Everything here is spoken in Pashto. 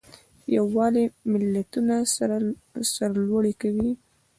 یووالی ملتونه سرلوړي کوي.